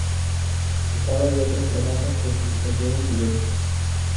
Se sabe de otros trabajos por publicaciones diversas.